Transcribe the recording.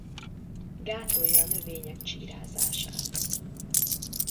Gátolja a növények csírázását.